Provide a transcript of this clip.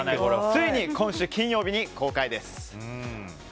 ついに今週金曜日に公開です。